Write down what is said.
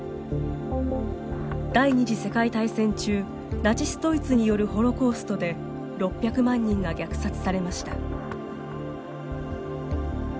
第２次世界大戦中ナチス・ドイツによるホロコーストで６００万人が虐殺されました。